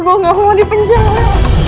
gue gak mau di penjara